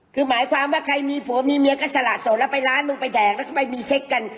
คือหมายความว่าใครมีผัวมีเมียก็สละสดแล้วไปร้านมึงไปแดกแล้วก็ไปมีเซ็กกัน